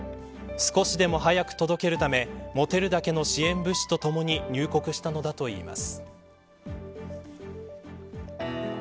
少しでも早く届けるため持てるだけの支援物資とともに入国したのだといいます。